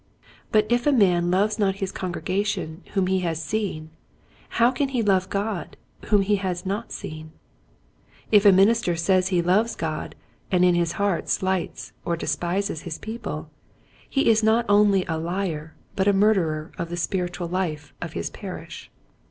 But if a man loves not his congregation whom he has seen how can he love God whom he has not seen } If a minister says he loves God, and in his heart slights or despises his people, he is not only a liar but a murderer of the spiritual life of his parish.